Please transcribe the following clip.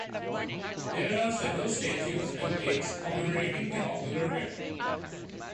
There are several statues and plaques commemorating the popular bear.